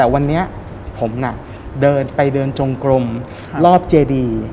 วันนี้ผมไปเดินจงกลมรอบเจดี